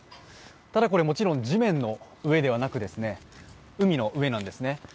ただ、これはもちろん地面の上ではなく海の上なんですね。